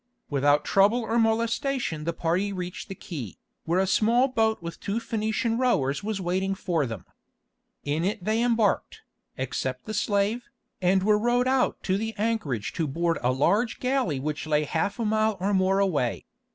Without trouble or molestation the party reached the quay, where a small boat with two Phœnician rowers was waiting for them. In it they embarked, except the slave, and were rowed out to the anchorage to board a large galley which lay half a mile or more away.